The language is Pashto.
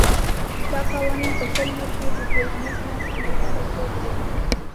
دا قوانین په کلیو کې د ټولنیز نظم لپاره دود دي.